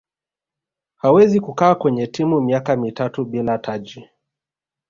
hawezi kukaaa kwenye timu miaka mitatu bila taji